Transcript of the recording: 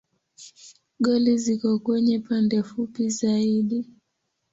Goli ziko kwenye pande fupi zaidi.